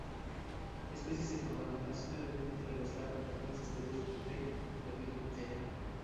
Especies de "Campanula" son el alimento de las larvas de algunas especies de Lepidoptera.